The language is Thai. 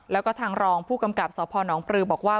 แล้วก็ทางรองผู้กำกับสพนปลือบอกว่า